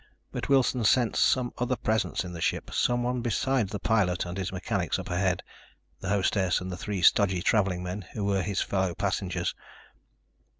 But Wilson sensed some other presence in the ship, someone besides the pilot and his mechanics up ahead, the hostess and the three stodgy traveling men who were his fellow passengers.